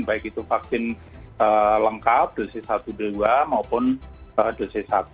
baik itu vaksin lengkap dosis satu dua maupun dosis satu